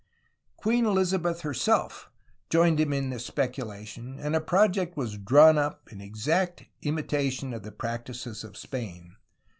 Queen Elizabeth herself joined him in this speculation, and a project was drawn up in exact imitation of the practices of Spain.